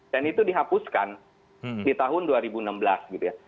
dan itu dihapuskan di tahun dua ribu enam belas gitu ya